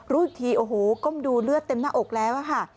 รู้อีกทีโอ้โหก้มดูเลือดเต็มหน้าอกแล้วค่ะ